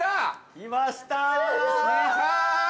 ◆来ました。